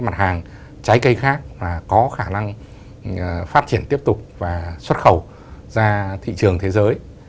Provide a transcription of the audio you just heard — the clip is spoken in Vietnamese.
mặt hàng trái cây khác có khả năng phát triển tiếp tục và xuất khẩu ra thị trường thế giới